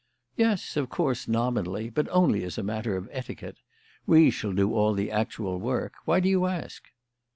"Yes, of course, nominally; but only as a matter of etiquette. We shall do all the actual work. Why do you ask?"